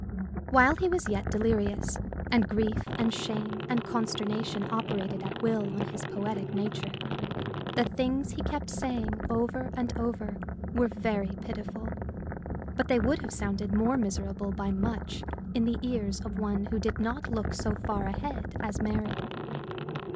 While he was yet delirious, and grief and shame and consternation operated at will on his poetic nature, the things he kept saying over and over were very pitiful; but they would have sounded more miserable by much in the ears of one who did not look so far ahead as Mary.